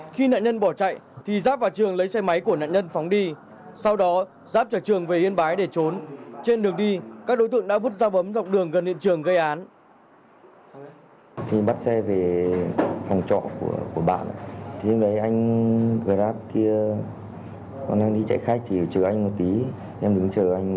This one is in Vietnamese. khi nạn nhân bỏ chạy giáp và trường lấy xe máy của nạn nhân phóng đi sau đó giáp trở trường về yên bái để trốn trên đường đi các đối tượng đã vứt ra bấm dọc đường gần hiện trường gây án